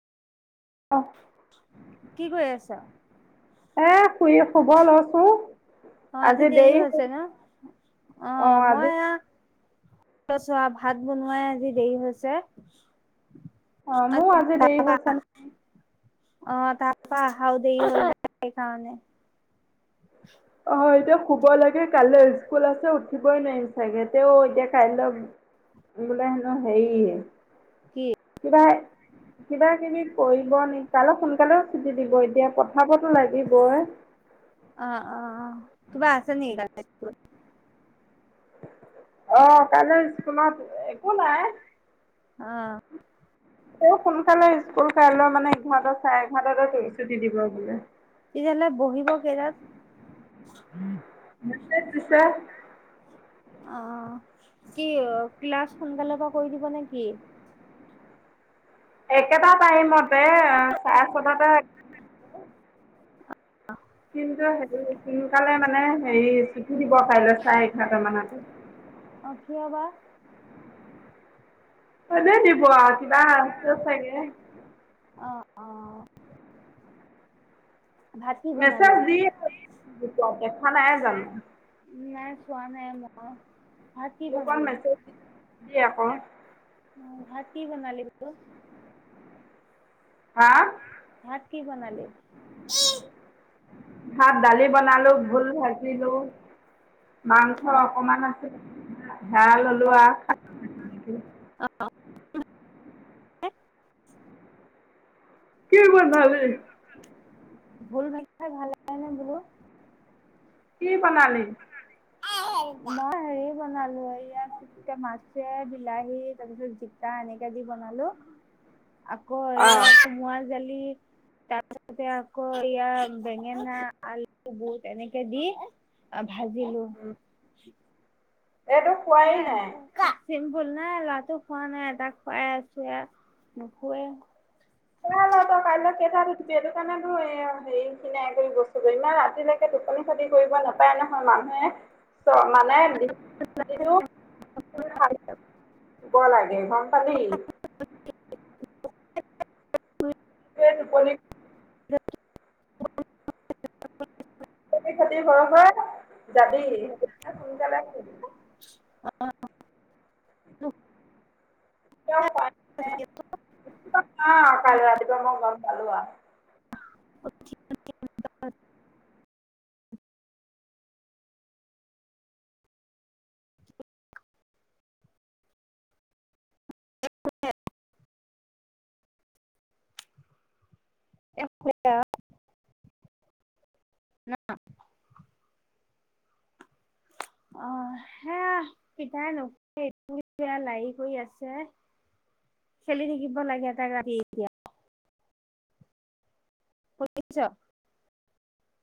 অ', কি কৰি আছা। এই শুই শুব লইছো। অঁ আজি দেৰি হৈছে ন, অঁ অ', আজি মই আ চোৱা ভাত বনোৱাই আজি দেৰি হৈছে। অঁ মোৰ আজি দেৰি হৈছে অঁ তাপা অহাও দেৰি হ'ল, সেইকাৰণে। অঁ হয়, এতিয়া শুব লাগে কাইলে স্কুল আছে উঠিবই নোৱাৰিম চাগে, ত' এতিয়া কাইলৈ বোলে হেনো হেৰি কি। পাই কিবা কিবি কৰিব নি কাইলে সোনকালেও চুটি দিব এতিয়া পঠাবতো লাগিবই। অঁ অঁ অঁ কিবা আছে নেকি কাইলে স্কুলত অঁ কাইলে স্কুলত এ একো নাই অঁ আকৌ সোনকালে স্কুল কাইলৈ মানে এঘাৰটা চাৰে এঘাৰটাতে ছুটি দিব বোলে তেতিয়াহ'লে বহিব কেইটাত মেছেজ দিছে অঁ কি ক্লাছ সোনকালে পা কৰি দিব নেকি একেটা টাইমত মতে চাৰে চটাতে কিন্তু হেৰি সোনকালে মানে হেৰি ছুটি দিব কাইলে চাৰে এঘাৰটা মানত অ' কিয় বা? এনে দিব আঁ কিবা আছে চাগে অঁ অঁ মেছেজ দি দেখা নাই জানো নাই চোৱা নাইয়ে মই ভাত কি গ্ৰুপত বনালি? মেছেজ দিবি আকৌ অঁ ভাত কি বনালি বুলো হা ভাত কি বনালি ভাত দালি বনালো, ভুল ভাজিলো, মাংস অকমান আছিলে সেয়া ললো আৰু অঁ [inaudible] কি বনালি? ভুল ভাজিলে ভাল হয় নে বোলো? কি বনালি? মই হেৰি বনালো এয়া কি মাছে, বিলাহী তাৰ পিছত জিকা এনেকে দি বনালো। আকৌ অ আৰু কোমোৰা দালি তাৰপিছতে আকৌ এইযা বেঙেনা, আলু, বুট এনেকে দি ভাজিলো। [inaudible] এইটো শুৱাই নাই। সেয়া চিম্পুল নাই লৰাতু শুৱা নাই তাক শুৱাই আছো নোশুৱে উি এইটো কাৰণেতো এই হেৰি খিনাই কৰি গৈছগে ইমান ৰাতিলৈকে টোপনি খতি কৰিব নাপায় নহয় মানুহে ত' মানে যিটো এঘন্টা [unintelligible] টোপনি খতি হয় হয় যাবি তেতিয়া সোনকালে শুবি অঁ কিয় ৰাতিপুৱা মই গম পালো আৰু [unintelligible] [unintelligible] [unintelligible] অ, সেয়া পিতাই নুহোৱে এতিয়া বেয়া লাইি কৰি আছে। খেলি থাকিব লাগে তাইক ৰাতি এতিয়া। শুনিছ?